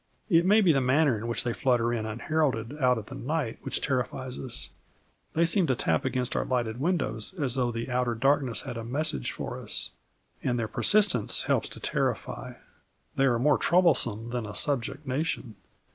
It may be the manner in which they flutter in unheralded out of the night that terrifies us. They seem to tap against our lighted windows as though the outer darkness had a message for us. And their persistence helps to terrify. They are more troublesome than a subject nation.